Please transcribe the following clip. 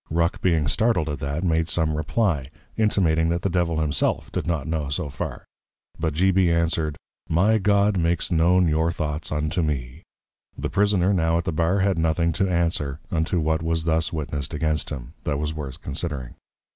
_ Ruck being startled at that, made some Reply, intimating, that the Devil himself did not know so far; but G. B. answered, My God makes known your Thoughts unto me. The Prisoner now at the Bar had nothing to answer, unto what was thus witnessed against him, that was worth considering.